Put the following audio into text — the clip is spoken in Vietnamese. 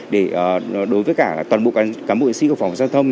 để đối với cả toàn bộ cán bộ chiến sĩ của phòng giao thông